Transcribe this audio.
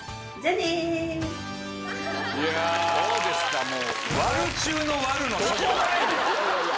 どうですかもう。